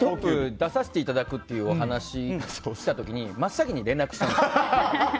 出させていただくっていうお話が来た時に真っ先に連絡しました。